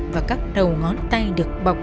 và các đầu ngón tay được bọc